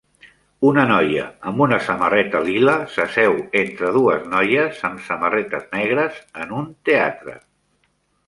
Una noia amb una samarreta lila s'asseu entre dues noies amb samarretes negres en un teatre.